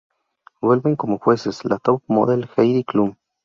Vuelven como jueces, la top model Heidi Klum.